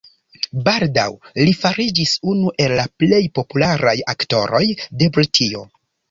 Baldaŭ li fariĝis unu el la plej popularaj aktoroj de Britio.